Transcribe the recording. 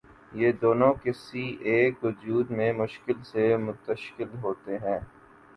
یہ دونوں کسی ایک وجود میں مشکل سے متشکل ہوتے ہیں۔